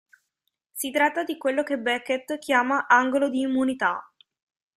Si tratta di quello che Beckett chiama "angolo di immunità".